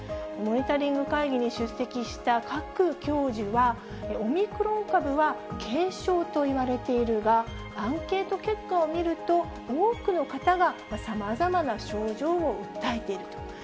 モニタリング会議に出席した賀来教授は、オミクロン株は、軽症と言われているが、アンケート結果を見ると、多くの方がさまざまな症状を訴えていると。